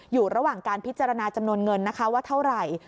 อยู่ระหว่างการพิจารณาจำนวนเงินนะคะว่าเท่าไหร่